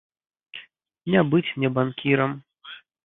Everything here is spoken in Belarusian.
Не быць мне банкірам.